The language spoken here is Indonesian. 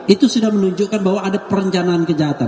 itu sudah menunjukkan bahwa ada perencanaan kejahatan